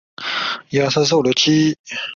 粗体的角色是现时正义联盟活跃成员。